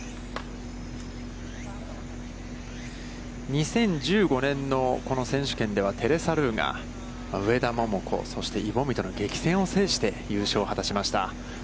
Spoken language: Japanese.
２０１５年の選手権では、テレサ・ルーが、上田桃子、イ・ボミとの激戦を制して、優勝を果たしました。